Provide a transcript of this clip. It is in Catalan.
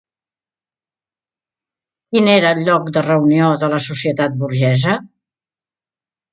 Quin era el lloc de reunió de la societat burgesa?